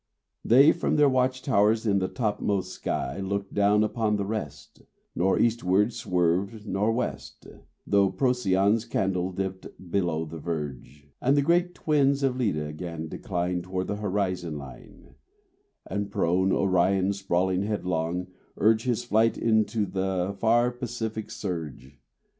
They from their watch towers in the topmost sky Looked down upon the rest, Nor eastward swerved nor west, Though Procyon's candle dipped below the verge, And the great twins of Leda 'gan decline Toward the horizon line, And prone Orion, sprawling headlong, urge His flight into the far Pacific surge.